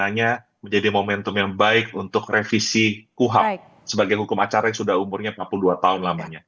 hanya menjadi momentum yang baik untuk revisi kuhap sebagian hukum acara yang sudah umurnya empat puluh dua tahun lamanya